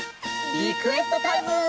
リクエストタイム！